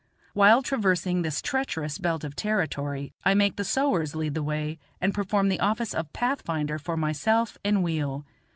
While traversing this treacherous belt of territory I make the sowars lead the way and perform the office of pathfinder for myself and wheel.